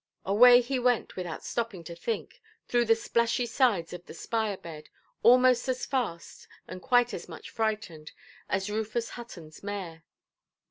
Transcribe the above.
Away he went, without stopping to think, through the splashy sides of the spire–bed, almost as fast, and quite as much frightened, as Rufus Huttonʼs mare.